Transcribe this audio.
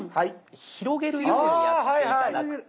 広げるようにやって頂くと。